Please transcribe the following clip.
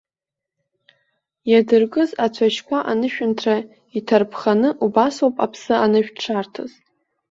Иадыркыз ацәашьқәа анышәынҭра иҭарԥханы убасоуп аԥсы анышә дшарҭаз.